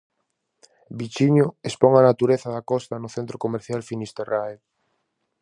Bichiño expón a natureza da Costa no centro comercial Finisterrae.